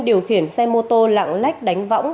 điều khiển xe mô tô lạng lách đánh võng